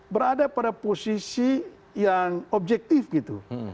berada pada posisi yang objektif gitu